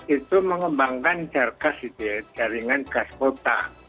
itu mengembangkan jargas itu jaringan gas kota